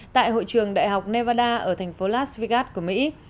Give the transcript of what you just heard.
tại hội trường đại học nevada ở thành phố las vgat của mỹ